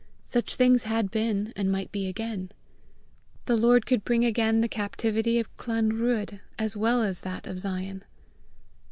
Such things had been, and might be again! The Lord could bring again the captivity of Clanruahd as well as that of Zion!